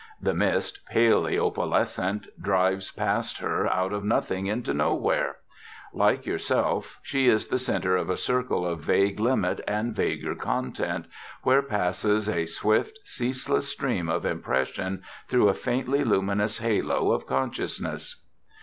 The mist, palely opalescent, drives past her out of nothing into nowhere. Like yourself, she is the center of a circle of vague limit and vaguer content, where passes a swift, ceaseless stream of impression through a faintly luminous halo of consciousness.